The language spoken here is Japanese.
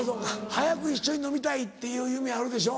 早く一緒に飲みたいっていう夢あるでしょ。